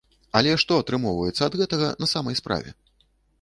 Але што атрымоўваецца ад гэтага на самай справе?